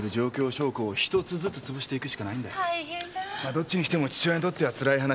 どっちにしても父親にとってはつらい話だな。